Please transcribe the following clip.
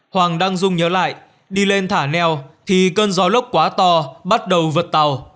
hoàng đăng dung nhớ lại đi lên thả neo thì cơn gió lốc quá to bắt đầu vượt tàu